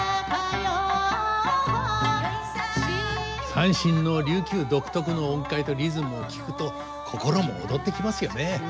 三線の琉球独特の音階とリズムを聴くと心も躍ってきますよね。